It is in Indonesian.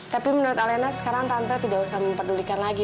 tapi menurut alena sekarang tante tidak usah memperdulikan lagi